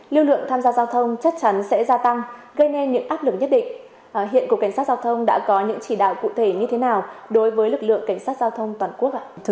lưu lượng tham gia giao thông chắc chắn sẽ gia tăng gây nên những áp lực nhất định